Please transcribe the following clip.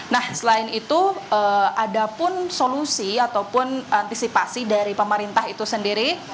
nah selain itu ada pun solusi ataupun antisipasi dari pemerintah itu sendiri